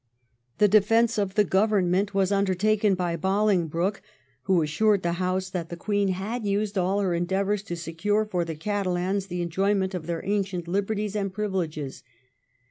The defence of the Government was undertaken by Bolingbroke, who assured the House that the Queen had used all her endeavours to secure for the Catalans the enjoyment of their ancient liberties and privileges.